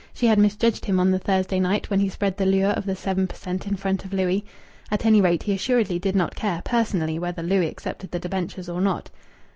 She had misjudged him on the Thursday night when he spread the lure of the seven per cent. in front of Louis. At any rate, he assuredly did not care, personally, whether Louis accepted the debentures or not.